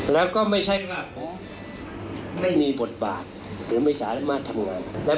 แล้วก็ไม่ใช่ว่าผมไม่มีบทบาทหรือไม่สามารถทำงาน